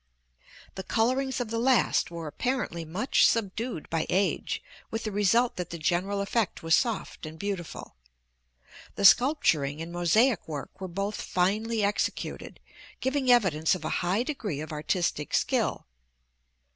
The colorings of the last were apparently much subdued by age with the result that the general effect was soft and beautiful. The sculpturing and mosaic work were both finely executed, giving evidence of a high degree of artistic skill.